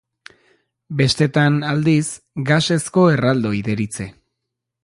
Bestetan, aldiz, gasezko erraldoi deritze.